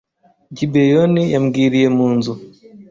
Gibeyonih yambwiriye mu nzu